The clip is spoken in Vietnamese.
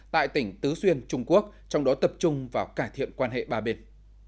tại tỉnh tứ xuyên trung quốc trong đó tập trung vào cải thiện quan hệ ba bên